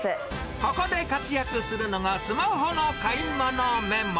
ここで活躍するのが、スマホの買い物メモ。